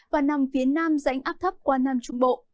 và nằm phía nam rãnh áp thấp qua nam trung bộ